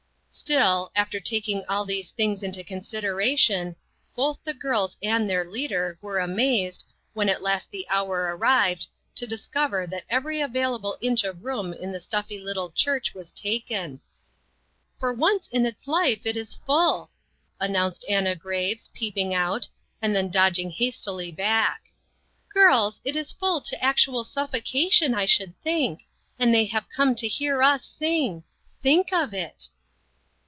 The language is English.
Still, after taking all these things into con sideration, both the girls and their leader were amazed, when at last the hour arrived, to discover that every available inch of room in the stuffy little church was taken. " For once in its life it is full !" an 298 INTERRUPTED. nounced Anna Graves, peeping out, and then dodging hastily bacj^. " Girls, it is full to actual suffocation, I should think; and they have come to hear us sing. Think of it!"